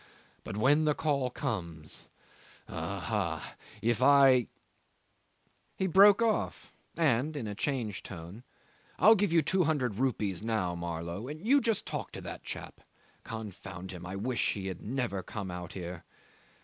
But when the call comes ... Aha! ... If I ..." 'He broke off, and in a changed tone, "I'll give you two hundred rupees now, Marlow, and you just talk to that chap. Confound him! I wish he had never come out here.